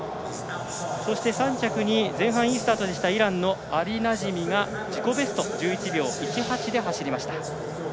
３着に前半いいスタートだったイランのアリナジミが自己ベストの１１秒１８で走りました。